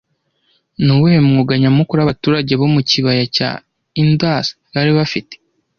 Ni uwuhe mwuga nyamukuru abaturage bo mu kibaya cya Indus bari bafite